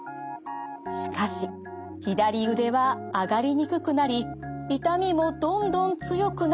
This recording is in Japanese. しかし左腕は上がりにくくなり痛みもどんどん強くなる一方。